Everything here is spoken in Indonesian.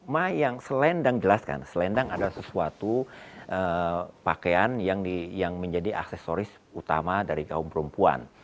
mayang es lendang jelas kan es lendang adalah sesuatu pakaian yang menjadi aksesoris utama dari kaum perempuan